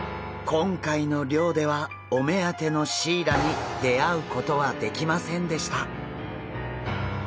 今回の漁ではお目当てのシイラに出会うことはできませんでした。